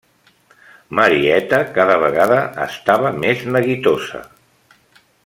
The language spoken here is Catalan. Marieta cada vegada estava més neguitosa.